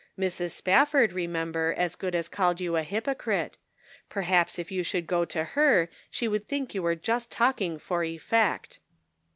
Mrs. Spafford, remember, as good as called you a hypocrite. Perhaps if you should go to her she would think you were just talking for effect."